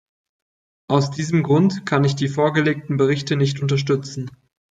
Aus diesem Grund kann ich die vorgelegten Berichte nicht unterstützen.